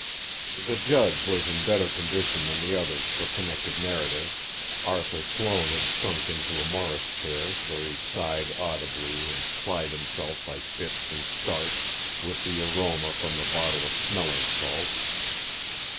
The judge was in better condition than the others for connected narrative, Arthur Sloane had sunk into a morris chair, where he sighed audibly and plied himself by fits and starts with the aroma from the bottle of smelling salts.